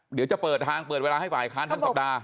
เดี๋ยวจะเปิดทางเปิดเวลาให้ฝ่ายค้านทั้งสัปดาห